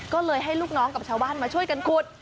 ก็เลยให้ลูกน้องกับชาวบ้านมาช่วยกันขุด